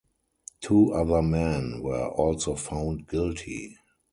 Two other men were also found guilty.